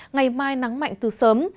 ngày mai nắng mạnh từ sớm